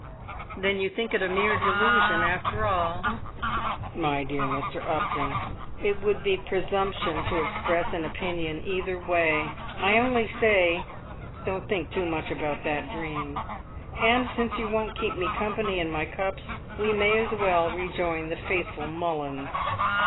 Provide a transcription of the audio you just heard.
"Then you think it a mere delusion, after all?" "My dear Mr. Upton, it would be presumption to express an opinion either way. I only say, don't think too much about that dream. And since you won't keep me company in my cups, we may as well rejoin the faithful Mullins."